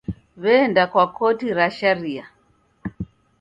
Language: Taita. W'eenda kwa koti ra sharia.